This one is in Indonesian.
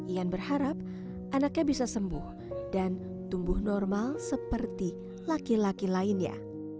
ian berharap anaknya bisa sembuh dan tumbuh normal seperti laki laki lainnya